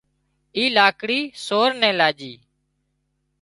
اي لاڪڙي سور نين لاڄي